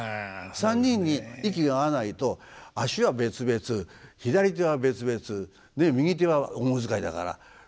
３人に息が合わないと足は別々左手は別々右手は主遣いだからこれは大変です。